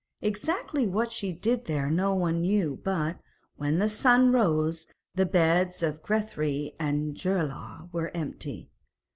Exactly what she did there no one knew, but, when the sun rose, the beds of Grethari and Geirlaug were empty.